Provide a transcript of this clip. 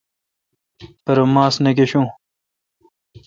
پرہ ماس نہ گشون۔